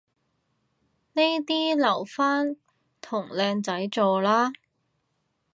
呢啲嘢留返同靚仔做啦